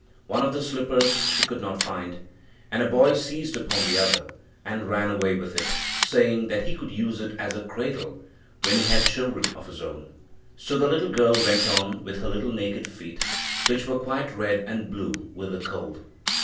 One of the slippers she could not find, and a boy seized upon the other and ran away with it, saying that he could use it as a cradle, when he had children of his own. So the little girl went on with her little naked feet, which were quite red and blue with the cold.